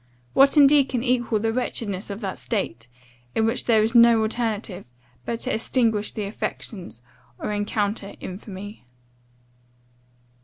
What indeed can equal the wretchedness of that state, in which there is no alternative, but to extinguish the affections, or encounter infamy?